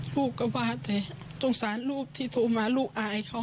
ลูกก็ว่าแต่สงสารลูกที่โทรมาลูกอายเขา